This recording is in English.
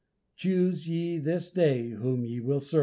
"Choose ye this day whom ye will serve."